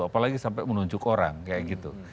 apalagi sampai menunjuk orang kayak gitu